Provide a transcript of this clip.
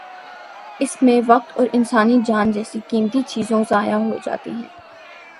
اس میں وقت اور انسانی جان جیسی قیمتی چیزوں ضائع ہو جاتی ہیں۔